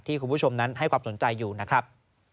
คุณผู้ชมนั้นให้ความสนใจอยู่นะครับ